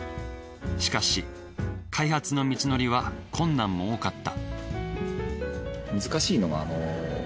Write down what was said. しかし開発の道のりは困難も多かった。